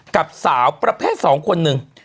กับสาวประแพทย์สองคนหนึ่ง